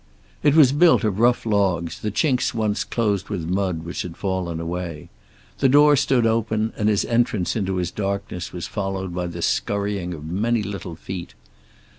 It was built of rough logs, the chinks once closed with mud which had fallen away. The door stood open, and his entrance into its darkness was followed by the scurrying of many little feet.